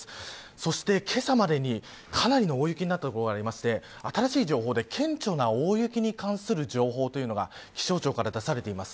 そして、けさまでにかなりの大雪になった所があって新しい情報で、顕著な大雪に関する情報というのが気象庁から出されています。